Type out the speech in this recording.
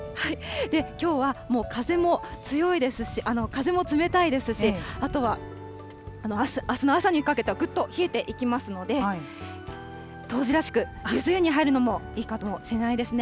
きょうはもう風も冷たいですし、あとはあすの朝にかけては、ぐっと冷えていきますので、冬至らしく、ゆず湯に入るのもいいかもしれないですね。